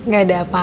gak ada apa apa